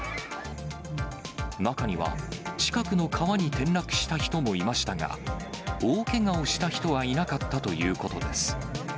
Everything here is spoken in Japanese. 中には、近くの川に転落した人もいましたが、大けがをした人はいなかったということです。